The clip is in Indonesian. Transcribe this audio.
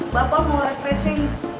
bapak mau refreshing